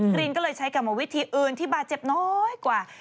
รีนก็เลยใช้กรรมวิธีอื่นที่บาดเจ็บน้อยกว่า